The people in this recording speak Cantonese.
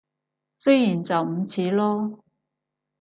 雖然就唔似囉